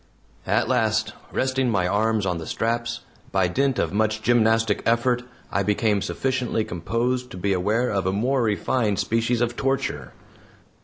At last, resting my arms on the straps, by dint of much gymnastic effort I became sufficiently composed to be aware of a more refined species of torture.